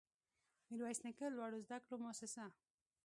ميرويس نيکه لوړو زده کړو مؤسسه